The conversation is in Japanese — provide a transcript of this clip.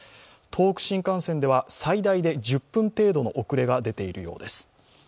東北新幹線では最大で１０分程度の遅れが出ているようです。